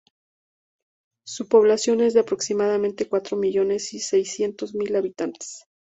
Su población es de aproximadamente cuatro millones y seiscientos mil habitantes.